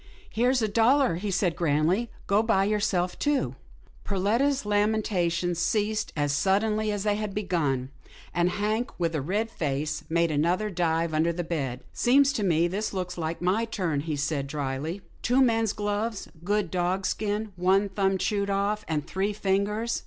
Here's a dollar/* he said, grandly, go buy yourself two." Perletta's lamentations ceased as suddenly as they had begun, and Hank, with a red face, made another dive under the bed. " Seems to me this looks like my turn," he said, drily. " Two men's gloves — good dogskin — one thumb chewed off, and three fingers.